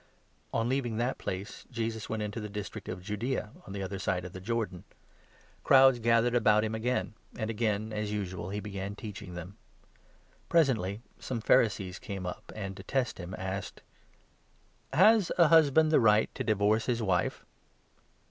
A Question ^n leavmg that place, Jesus went into the dis i 1( about trict of Judaea on the other side of the Jordan. Divorce. Crowds gathered about him again ; and again, as usual, he began teaching them. Presently some Phari 2 sees came up and, to test him, asked :" Has a husband the right to divorce his wife